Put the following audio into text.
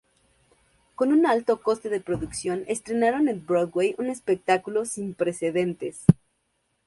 Con un alto coste de producción estrenaron en Broadway un espectáculo sin precedentes.